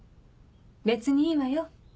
別にいいわよ。